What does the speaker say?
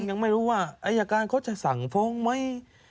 ยังไม่รู้ว่าอายการเขาจะสั่งฟ้องไหม